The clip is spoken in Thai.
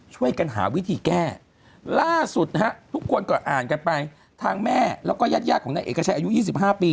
ช่วยกันหาวิธีแก้ล่าสุดครับทุกคนก็อ่านกันจากทางแม่แล้วก็ยาดอายุ๒๕ปี